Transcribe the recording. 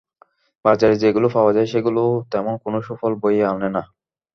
বাজারে যেগুলো পাওয়া যায়, সেগুলোও তেমন কোনো সুফল বয়ে আনে না।